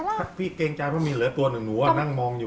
ขั้นเรื่องพี่เกงจาเมียนเหลือหนึ่งหนูอ่ะนั่งมองอยู่